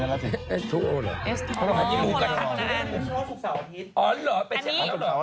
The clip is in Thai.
ปลากร์ท้าของแม่ของคุณพ่อก็กินได้